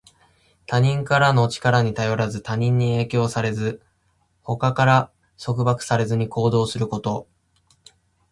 他からの力に頼らず、他人に影響されず、他から束縛されずに行動すること。